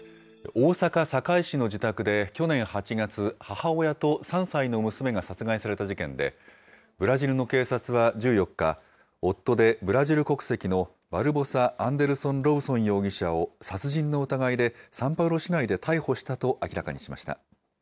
大阪・堺市の自宅で、去年８月、母親と３歳の娘が殺害された事件で、ブラジルの警察は１４日、夫でブラジル国籍のバルボサ・アンデルソン・ロブソン容疑者を、殺人の疑いで、サンパウロ市内で逮捕したと明らかにしました。